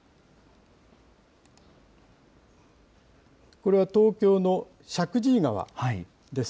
これは東京の石神井川です。